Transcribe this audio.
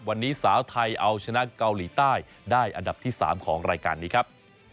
วันนี้สาวไทยเอาชนะเกาหลีใต้ได้อันดับที่๓ของรายการนี้ครับ